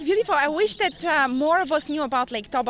saya pikir itu indah saya harap lebih banyak orang tahu tentang toba